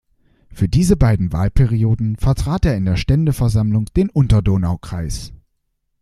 Für diese beiden Wahlperioden vertrat er in der Ständeversammlung den Unterdonaukreis.